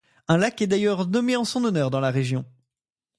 Un lac est d'ailleurs nommé en son honneur dans la région.